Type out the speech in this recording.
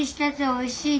・おいしい？